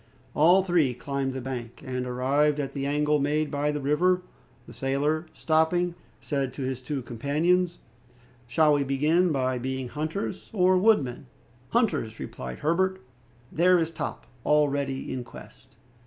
All three climbed the bank; and arrived at the angle made by the river, the sailor, stopping, said to his two companions, "Shall we begin by being hunters or wood men?" "Hunters," replied Herbert. "There is Top already in quest."